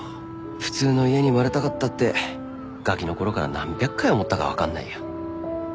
普通の家に生まれたかったってがきのころから何百回思ったか分かんないよ。